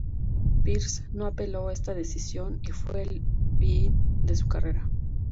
Peers no apeló esta decisión y es fue el fin de su carrera.